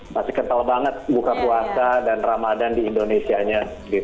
masih kental banget buka puasa dan ramadan di indonesia nya